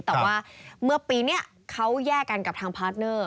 แต่ว่าเมื่อปีนี้เขาแยกกันกับทางพาร์ทเนอร์